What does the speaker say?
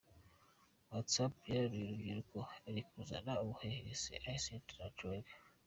"WhatsApp yararuye urubyiruko iri kuzana ubuhehesi"Icent The Trigger.